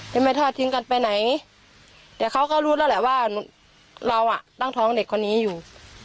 ไม่ทอดทิ้งกันไปไหนแต่เขาก็รู้แล้วแหละว่าเราอ่ะตั้งท้องเด็กคนนี้อยู่